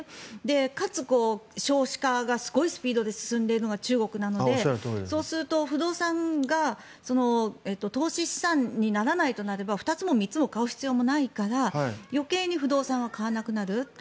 かつ、少子化がすごいスピードで進んでいるのが中国なのでそうすると、不動産が投資資産にならないとなれば２つも３つも買う必要もないから余計に不動産は買わなくなる。